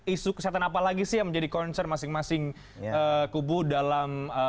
isu kesehatan apa lagi sih yang menjadi concern masing masing kubu dalam